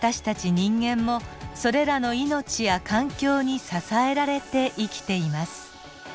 人間もそれらの命や環境に支えられて生きています。